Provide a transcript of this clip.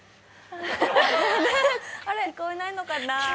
聞こえないのかな。